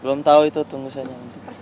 belum tahu itu tunggu saja